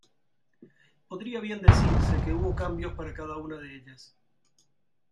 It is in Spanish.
Podría bien decirse que hubo cambios para cada una de ellas.